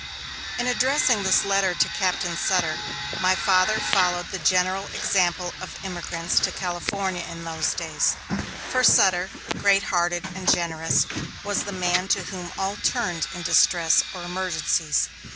In addressing this letter to Captain Sutter, my father followed the general example of emigrants to California in those days, for Sutter, great hearted and generous, was the man to whom all turned in distress or emergencies.